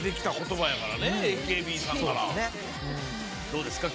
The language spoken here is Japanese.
どうですか？